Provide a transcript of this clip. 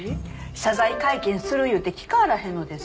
謝罪会見する言うて聞かはらへんのです。